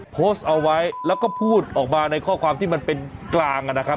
โพสต์เอาไว้แล้วก็พูดออกมาในข้อความที่มันเป็นกลางนะครับ